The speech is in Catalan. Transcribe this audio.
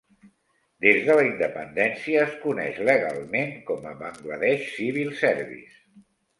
Des de la independència, es coneix legalment com a "Bangladesh Civil Service".